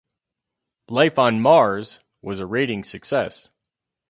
"Life on Mars" was a ratings success.